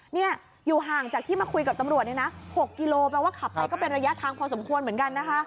นี่อยู่ห่างจากที่มาคุยกับตำรวจเนี่ยนะ๖กิโลแปลว่าขับไปก็เป็นระยะทางพอสมควรเหมือนกันนะคะ